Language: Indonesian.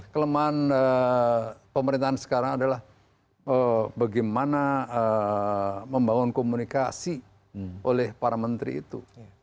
kelemahan pemerintahan sekarang adalah bagaimana membangun komunikasi oleh para menteri itu